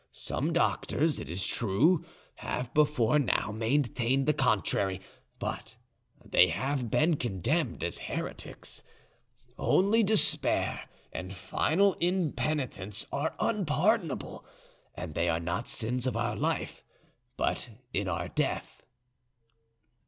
Some doctors, it is true, have before now maintained the contrary, but they have been condemned as heretics. Only despair and final impenitence are unpardonable, and they are not sins of our life but in our death."